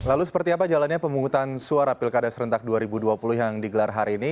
lalu seperti apa jalannya pemungutan suara pilkada serentak dua ribu dua puluh yang digelar hari ini